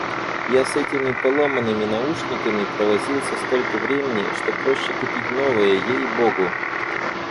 Я с этими поломанными наушниками провозился столько времени, что проще купить новые, ей богу!